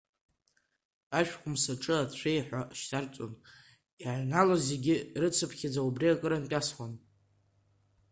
Ашәхымс аҿы ацәеиха шьҭарҵон, иааҩналоз зегьы рыцыԥхьаӡа убри акырынтә иасуан.